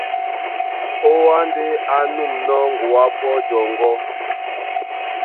Ó Wâ ndé á nûmnɔ́ ŋgoá pɔ́ jɔŋgɔ́,